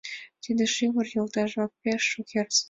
— Тиде шӱвыр, йолташ-влак, пеш шукертсе.